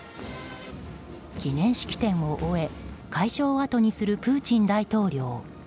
記念式典を終え会場をあとにするプーチン大統領。